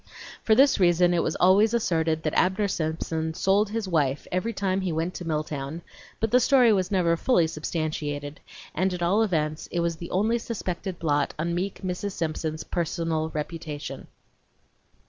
For this reason it was always asserted that Abner Simpson sold his wife every time he went to Milltown, but the story was never fully substantiated, and at all events it was the only suspected blot on meek Mrs. Simpson's personal reputation.